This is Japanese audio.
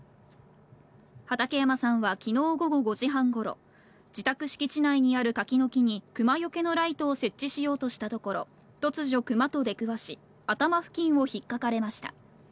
畠山さんはきのう午後５時半ごろ、自宅敷地内にある柿の木にクマよけのライトを設置しようとしたところ、突如クマと出くわし、頭付近をひっかかれました。